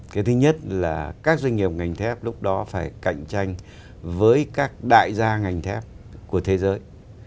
cái thứ nhất là các doanh nghiệp ngành thép lúc đó phải cạnh tranh với các đại gia ngành thép của thế giới